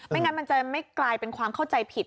งั้นมันจะไม่กลายเป็นความเข้าใจผิด